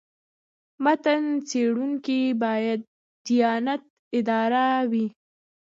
متن څېړونکی باید دیانت داره وي.